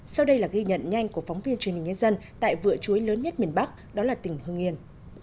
sau đây là ghi nhận nhanh của phóng viên truyền hình nhân dân tại vựa chuối lớn nhất miền bắc đó là tỉnh hương yên